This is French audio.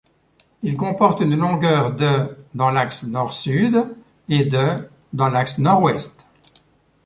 Il comporte une longueur de dans l'axe nord-sud et de dans l'axe nord-ouest.